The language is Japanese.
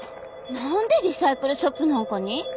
なんでリサイクルショップなんかに？